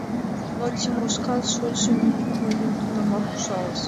Но Тимошкан шольыжо Мику мыйым тунамак ужалыш.